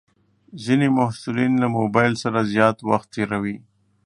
ځینې محصلین له موبایل سره زیات وخت تېروي.